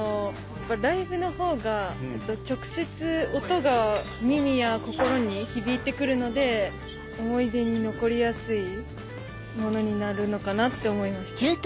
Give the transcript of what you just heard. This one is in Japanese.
ライブのほうが直接音が耳や心に響いて来るので思い出に残りやすいものになるのかなって思いました。